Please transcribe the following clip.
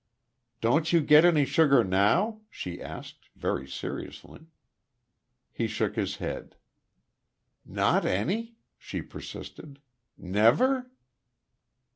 "Don't you get any sugar now?" she asked, very seriously. He shook his head. "Not any?" she persisted. "Never?"